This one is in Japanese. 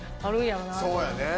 そうやね。